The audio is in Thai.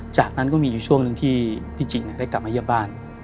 จากนั้นก็มีอยู่ช่วงหนึ่งที่พี่จิได้กลับมาเยี่ยมบ้าน